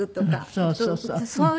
そうそうそう。